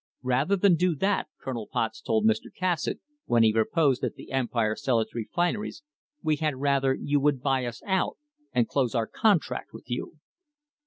"Rather than do that," Colonel Potts told Mr. Cassatt, when he proposed that the Empire sell its refineries, "we had rather you would buy us out and close our contract with you."